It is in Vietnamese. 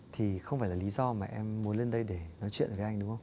thì không phải là lý do mà em muốn lên đây để nói chuyện với anh đúng không